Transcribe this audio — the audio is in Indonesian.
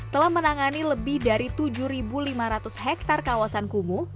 telah menangani lebih dari tujuh lima ratus hektare kawasan kumuh